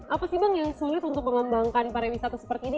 apa sih bang yang sulit untuk mengembangkan pariwisata seperti ini